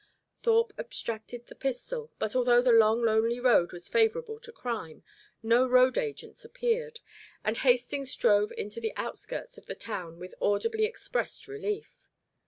Thorpe abstracted the pistol, but although the long lonely road was favourable to crime, no road agents appeared, and Hastings drove into the outskirts of the town with audibly expressed relief.